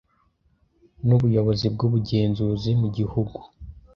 n ubuyobozi bw ubugenzuzi mu gihugu